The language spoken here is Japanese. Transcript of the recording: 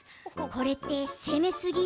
これって攻めすぎ？